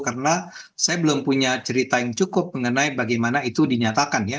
karena saya belum punya cerita yang cukup mengenai bagaimana itu dinyatakan ya